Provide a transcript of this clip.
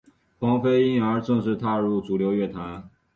黄妃因而正式踏入主流乐坛。